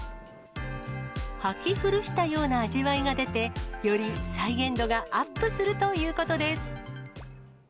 履き古したような味わいが出て、より再現度がアップするということです。